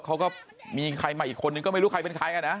เขาก็มีใครมาอีกคนนึงก็ไม่รู้ใครเป็นใครกันนะ